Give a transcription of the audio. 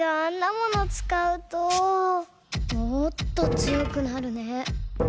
もっとつよくなるね。